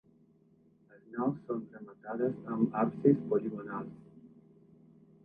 Les naus són rematades amb absis poligonals.